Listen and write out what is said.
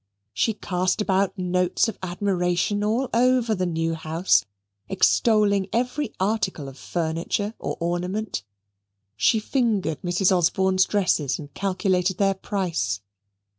She cast about notes of admiration all over the new house, extolling every article of furniture or ornament; she fingered Mrs. Osborne's dresses and calculated their price.